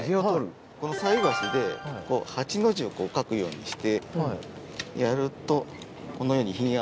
この菜箸でこう８の字を書くようにしてやるとこのようにヒゲが。